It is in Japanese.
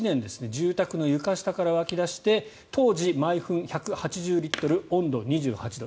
住宅の床下から湧き出して当時毎分１８０リットル温度２８度。